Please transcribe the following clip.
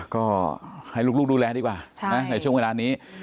ก็ให้ลูกดูแลดีกว่าในช่วงเวลานี้